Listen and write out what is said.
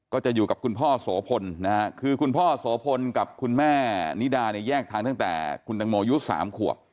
ก็จะอยู่กับคุณพ่อโสพลนะฮะคือคุณพ่อโสพลกับคุณแม่นิดาเนี่ยแยกทางตั้งแต่คุณตังโมยุ๓ขวบ